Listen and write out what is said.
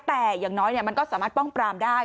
แต่อย่างน้อยมันก็สามารถป้องปรามได้